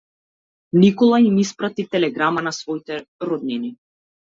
Никола им испрати телеграма на своите роднини.